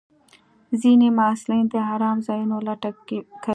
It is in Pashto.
ځینې محصلین د ارام ځایونو لټه کوي.